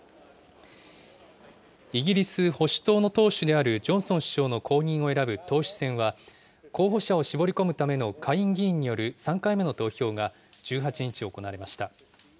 イギリス保守党の党首であるジョンソン首相の後任を選ぶ党首選は、候補者を絞り込むための下院議員による３回目の投票が１８日、行われました。